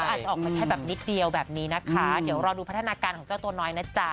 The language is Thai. อาจจะออกมาแค่แบบนิดเดียวแบบนี้นะคะเดี๋ยวรอดูพัฒนาการของเจ้าตัวน้อยนะจ๊ะ